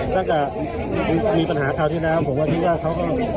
ถ้าเกมามีปัญหาเท่าเท่านั้นผมคิดว่าเขาก็